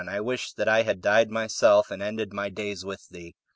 I wish that I had died myself, and ended my days with thee!"